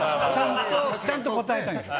ちゃんと答えたいんです。